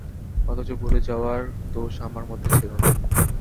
অথচ ভুলে যাওয়ার দোষ আমার মধ্যে ছিল না।